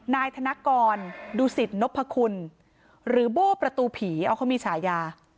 นายธนกรดูสิตนพคุณหรือโบ้ประตูผีเอาเขามีฉายา